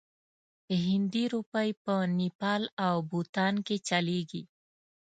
هندي روپۍ په نیپال او بوتان کې چلیږي.